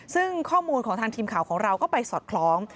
ซึ่งข้อมูลของทางทีมข่าวของเราก็ไปสอดคล้อง